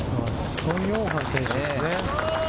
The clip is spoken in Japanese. ソン・ヨンハン選手ですね。